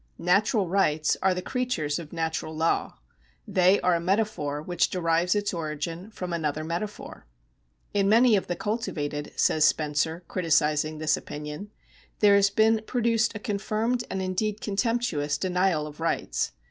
Natural rights are the creatures of natural law ; they are a metaphor which derives its origin from another metaphor." " In many of the cultivated," says Spencer,^ criticising this opinion, " there has been produced a confirmed and indeed contemptuous denial of rights.